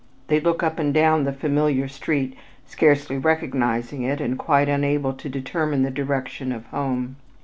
They look up and down the familiar street scarcely recognizing it and quite unable to determine the direction of home.